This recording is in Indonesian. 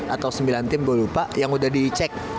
atau sembilan tim gue lupa yang udah dicek